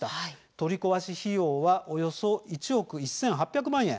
取り壊し費用はおよそ１億１８００万円。